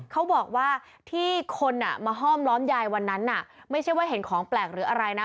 เขาบอกว่าที่คนมาห้อมล้อมยายวันนั้นน่ะไม่ใช่ว่าเห็นของแปลกหรืออะไรนะ